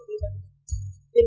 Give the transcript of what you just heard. đối với bệnh viện